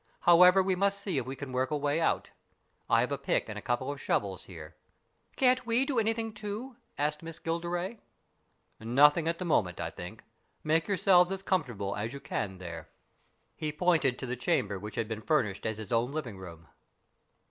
However, we must see if we can work a way out. I have a pick and a couple of shovels here." "Can't we do anything too?" asked Miss Gilderay. " Nothing at the moment, I think. Make your selves as comfortable as you can there." 78 STORIES IN GREY He pointed to the chamber which had been furnished as his own living room.